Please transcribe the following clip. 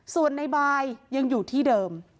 ส่วนในบายยังอยู่ที่เดิม